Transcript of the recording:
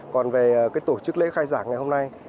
còn về tổ chức lễ khai giảng ngày hôm nay